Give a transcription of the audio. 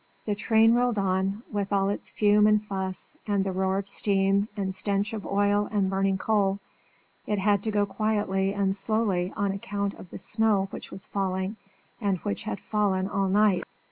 The train rolled on, with all its fume and fuss, and roar of steam, and stench of oil and burning coal. It had to go quietly and slowly on account of the snow which was falling, and which had fallen all night.